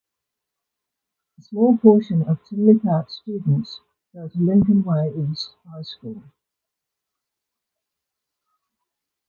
A small portion of Tinley Park students go to Lincoln-Way East High School.